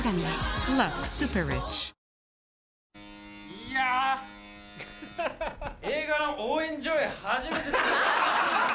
いやぁ映画の応援上映初めてで。